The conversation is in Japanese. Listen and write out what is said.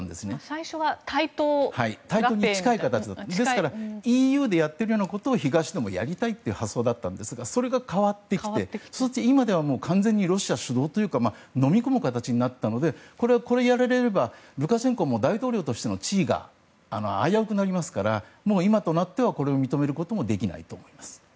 最初は対等に近い形でＥＵでもやりたかったんですがそれが変わってきて今では完全にロシア主導というかのみ込む形になったのでこれをやられればルカシェンコも大統領の地位が危うくなりますから今となってはこれを認めることもできないと思います。